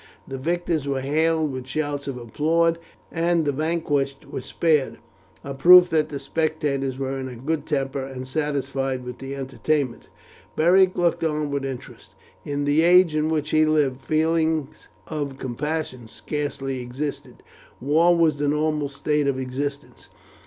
The victors were hailed with shouts of applause, and the vanquished were spared, a proof that the spectators were in a good temper and satisfied with the entertainment. Beric looked on with interest. In the age in which he lived feelings of compassion scarcely existed. War was the normal state of existence.